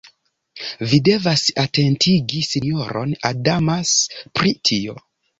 Vi devas atentigi sinjoron Adams pri tio.